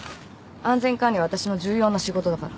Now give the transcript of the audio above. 安全管理はわたしの重要な仕事だから。